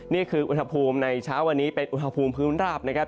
นี่คืออุณหภูมิในเช้าวันนี้เป็นอุณหภูมิพื้นราบนะครับ